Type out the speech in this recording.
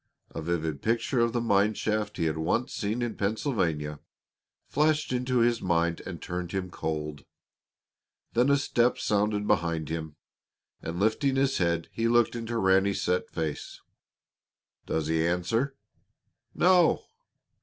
A vivid picture of the mine shaft he had once seen in Pennsylvania flashed into his mind and turned him cold. Then a step sounded behind him, and lifting his head, he looked into Ranny's set face. "Does he answer?" "No."